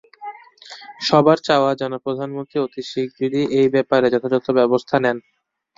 সবার চাওয়া, যেন প্রধানমন্ত্রী অতি শিগগিরই এই ব্যাপারে যথাযথ ব্যবস্থা নেন।